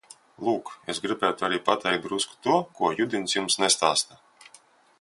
Lūk, es gribētu arī pateikt drusku to, ko Judins jums nestāsta.